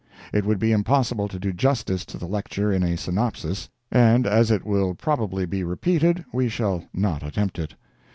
It would be impossible to do justice to the lecture in a synopsis, and as it will probably be repeated, we shall not attempt it.